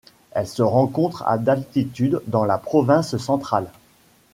Elle se rencontre à d'altitude dans la province centrale.